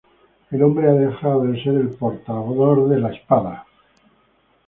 El hombre ha dejado de ser el portador de la espada.